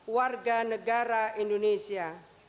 warga negara indonesia